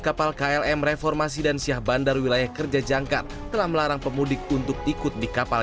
kapal klm reformasi dan syah bandar wilayah kerja jangkar telah melarang pemudik untuk ikut di kapal